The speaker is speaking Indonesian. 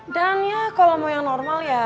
dan ya kalo mau yang normal ya